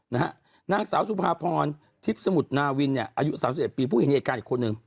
นะฮะนางสาวสุภาพรทิพย์สมุทรนาวินเนี่ยอายุ๓๑ปีพูดเห็นเอกการอีกคนหนึ่ง